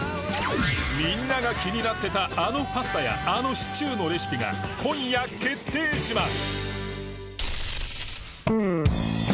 みんなが気になってたあのパスタやあのシチューのレシピが今夜決定します